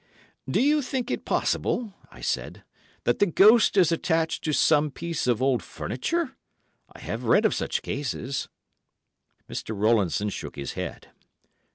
"Do you think it possible," I said, "that the ghost is attached to some piece of old furniture? I have read of such cases." Mr. Rowlandson shook his head.